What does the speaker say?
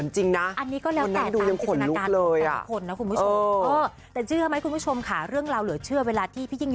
ใช่นี่ไงที่เค้าโชว์เนี่ย